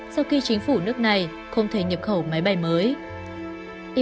sau khi chính phủ nước này không thể nhập khẩu máy bay mới